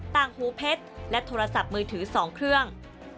ต่างหูเพชรและโทรศัพท์มือถือ๒เครื่อง